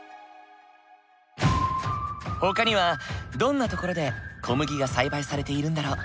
ほかにはどんな所で小麦が栽培されているんだろう？